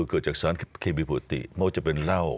เกิดจากสารเครียมประธิภาพเเมื่อจะเป็นเหล้า